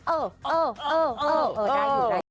เออเออเออเออเออได้อยู่ได้อยู่